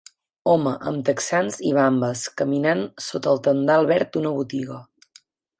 Home amb texans i vambes caminant sota el tendal verd d'una botiga.